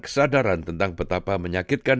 kesadaran tentang betapa menyakitkan